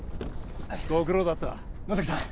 ご苦労だった野崎さん